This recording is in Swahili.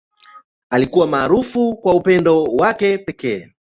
Alikuwa maarufu kwa upendo wake wa pekee.